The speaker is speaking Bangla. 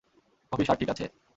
কফির স্বাদ ঠিক আছে?